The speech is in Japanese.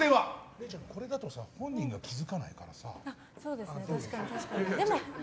れいちゃん、これだと本人が気づかないからさ。